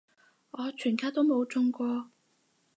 我全家都冇中過